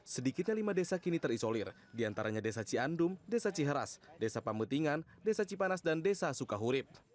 sedikitnya lima desa kini terisolir diantaranya desa ciandum desa ciheras desa pamutingan desa cipanas dan desa sukahurib